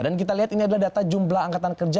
dan kita lihat ini adalah data jumlah angkatan kerja